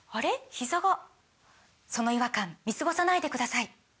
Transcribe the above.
ひざがその違和感見過ごさないでください